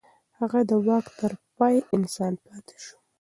هغه د واک تر پای انسان پاتې شو.